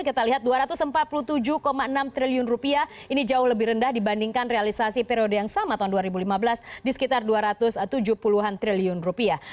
kita lihat dua ratus empat puluh tujuh enam triliun rupiah ini jauh lebih rendah dibandingkan realisasi periode yang sama tahun dua ribu lima belas di sekitar dua ratus tujuh puluh an triliun rupiah